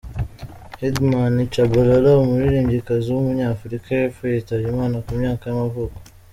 Headman Shabalala, umuririmbyikazi w’umunyafurika y’epfo yitabye Imana ku myaka y’amavuko.